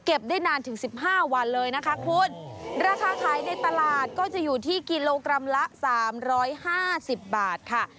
ได้นานถึงสิบห้าวันเลยนะคะคุณราคาขายในตลาดก็จะอยู่ที่กิโลกรัมละสามร้อยห้าสิบบาทค่ะ